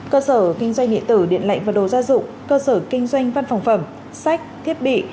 cơ sở kinh doanh điện tử điện lạnh và đồ gia dụng cơ sở kinh doanh văn phòng phẩm sách thiết bị